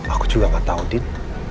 aku juga nggak tahu din